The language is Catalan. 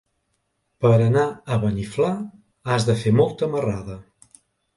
Per anar a Beniflà has de fer molta marrada.